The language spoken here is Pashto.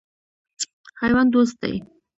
حیوان دوست دی.